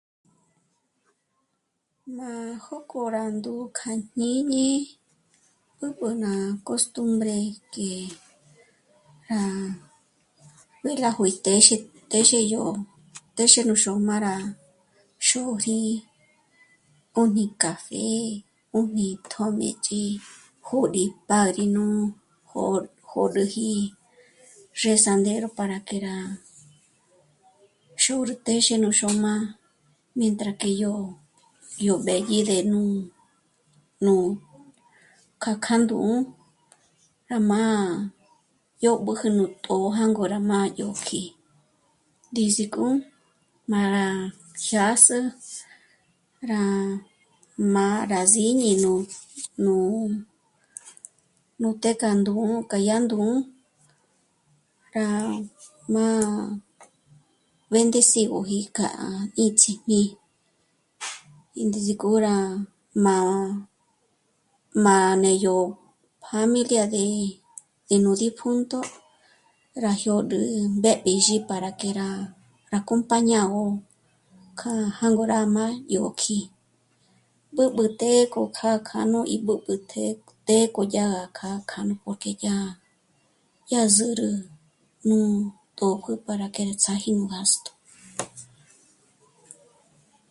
Má jók'ò rá ndū̀'ū kja jñíñi b'ǚb'ü ná costumbre que rá... juí... rá bítéxi, téxi yó, téxü yó xó'm'á rá xûri ó 'ùni café, 'ùni tjö́mëch'i, júri pádrino jó... jôroji rezandero para que rá xûr téxe nú xôm'a mientra que yó... yó b'ë́dyi ndé nú... nú k'a kjâ'a ndū̂'ū rá má dyób'üjü nú t'ō̌'ō jângo rá mádyo kjì'i, ndízik'o má rá jyás'ü, rá má rá sîñi nú... nú të́'ë k'a ndū̂'ū k'a yá ndū̂'ū, rá má béndecigöji kjâ'a í ts'iñì'i ndízik'o rá má... má né'e yó pjámilia de... de nú dipjúnto rá jyôd'ü mbéb'ízhi para que rá acompañagö k'a jângo rá má'a yó kjí'i. B'ǚb'ü të́'ë kjo gá k'anú í b'ǚb'ü të́'ë k'oyá kjâ'a k'anú porque yá rá... yá zǚrü nú tópjü para que rá ts'áji nú gasto